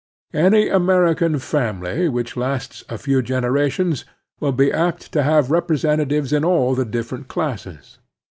Any American family which lasts a few generations will be apt to have representatives in all the dif . ferent classes.